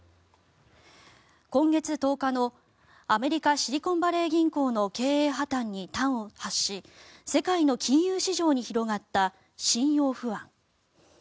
今月１０日のアメリカ、シリコンバレー銀行の経営破たんに端を発し世界の金融市場に広がった信用不安。